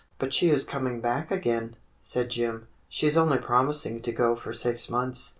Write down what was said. "But she is coming back again," said Jim. "She's only promising to go for six months.